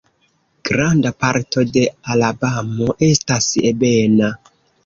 Granda parto de Alabamo estas ebena.